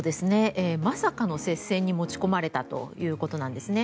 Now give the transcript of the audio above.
まさかの接戦に持ち込まれたということなんですね。